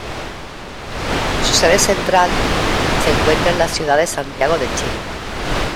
Su sede central se encuentra en la ciudad de Santiago de Chile.